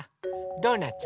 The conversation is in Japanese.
ドーナツ？